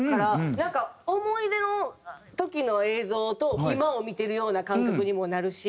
なんか思い出の時の映像と今を見てるような感覚にもなるし。